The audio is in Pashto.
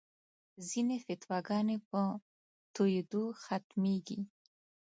ځینې فتواګانې په تویېدو ختمېږي.